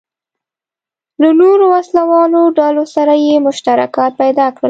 له نورو وسله والو ډلو سره یې مشترکات پیدا کړل.